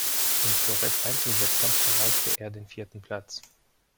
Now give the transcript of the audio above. Im Florett-Einzelwettkampf erreichte er den vierten Platz.